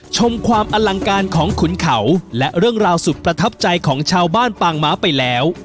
ชมความอลังการของขุนเขาและเรื่องราวสุดประทับใจของชาวบ้านปางม้าไปแล้ว